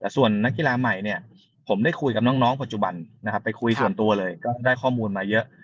ส่วนนักกีฬาใหม่เนี่ยผมได้คุยกับน้องปัจจุบันนะครับไปคุยส่วนตัวเลยก็ได้ข้อมูลมาเยอะ